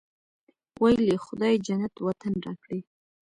ویل یې خدای جنت وطن راکړی.